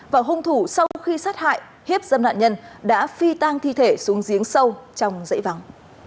và hung thủ sau khi sát hại hiếp dâm nạn nhân đã phi tang thi thể xuống giếng sâu trong dãy vắng